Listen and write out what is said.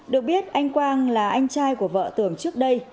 được biết anh quang là anh trai của vợ tưởng trước đây